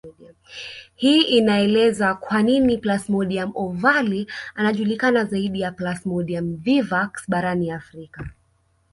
Hii inaeleza kwa nini Plasmodium ovale anajulikana zaidi ya Plasmodium vivax barani Afrika